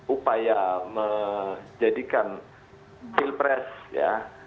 upaya menjadikan pilpres ya